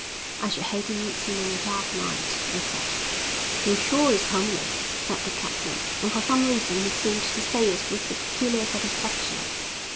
"I should hate to meet him on a dark night," I said. "He sure is homely," said the captain, and for some reason he seemed to say it with a peculiar satisfaction.